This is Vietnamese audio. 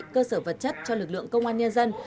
cơ sở vật chất cho lực lượng công an nhân dân